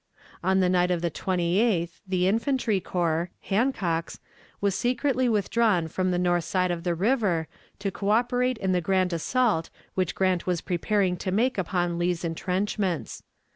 On the night of the 28th the infantry corps (Hancock's) was secretly withdrawn from the north side of the river, to coöperate in the grand assault which Grant was preparing to make upon Lee's intrenchments.